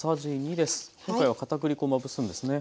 今回は片栗粉まぶすんですね。